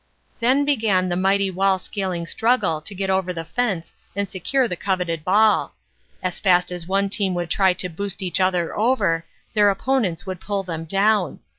"Then began the mighty wall scaling struggle to get over the fence and secure the coveted ball. As fast as one team would try to boost each other over, their opponents would pull them down.